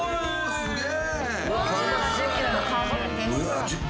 すげえ！